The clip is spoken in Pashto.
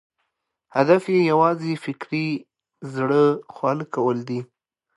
هدف یې یوازې فکري زړه خواله کول دي.